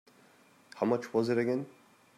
How much was it again?